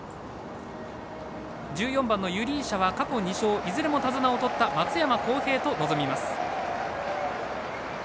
１４番ユリーシャは過去２勝いずれも手綱をとった松山弘平と臨みます。